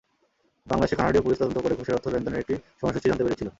বাংলাদেশে কানাডীয় পুলিশ তদন্ত করে ঘুষের অর্থ লেনদেনের একটি সময়সূচি জানতে পেরেছিল।